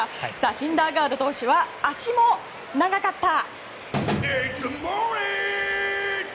シンダーガード投手は足も長かった！